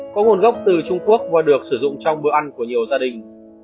có nguồn gốc từ trung quốc và được sử dụng trong bữa ăn của nhiều gia đình